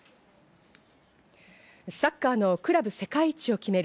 サッカーのクラブ世界一を決める